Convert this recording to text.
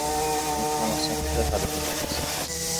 A inflamação foi tratada com medicação